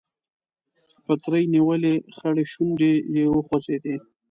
پتري نيولې خړې شونډې يې وخوځېدې.